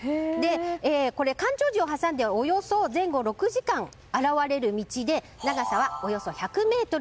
これ、干潮時を挟んでおよそ前後６時間現れる道で長さは、およそ１００ｍ。